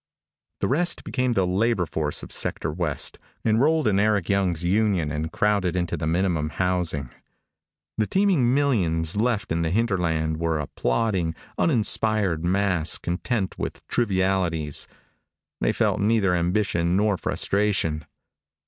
The rest became the labor force of Sector West, enrolled in Eric Young's union and crowded into the minimum housing. The teeming millions left in the hinterland were a plodding, uninspired mass content with trivialities. They felt neither ambition nor frustration.